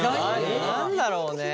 何だろうね。